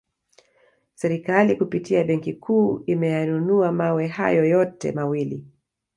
Serikali kupitia benki kuu imeyanunua mawe hayo yote mawili